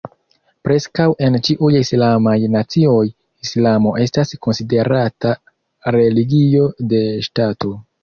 Preskaŭ en ĉiuj islamaj nacioj, Islamo estas konsiderata religio de ŝtato.